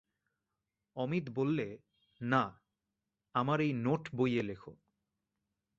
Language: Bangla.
অমিত বললে, না, আমার এই নোট-বইয়ে লেখো।